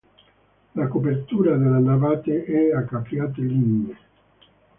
La copertura delle navate è a capriate lignee.